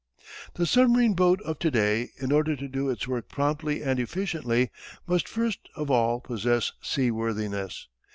The submarine boat of to day, in order to do its work promptly and efficiently, must first of all possess seaworthiness.